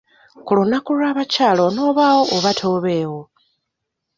Ku lunaku lw'abakyala onaabaawo oba tobeewo?